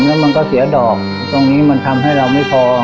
แล้วมันก็เสียดอกตรงนี้มันทำให้เราไม่พอ